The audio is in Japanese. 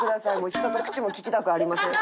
「人と口も利きたくありません」